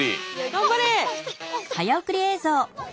頑張れ！